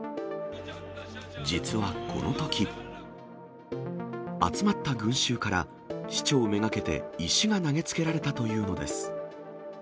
実はこのとき、集まった群衆から、市長目がけて石が投げつけられたというのです。